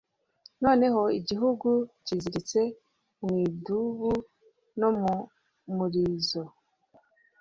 noneho, igihuru cyiziritse mu idubu no murizo